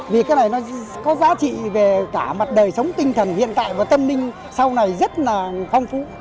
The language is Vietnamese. vì cái này nó có giá trị về cả mặt đời sống tinh thần hiện tại và tâm linh sau này rất là phong phú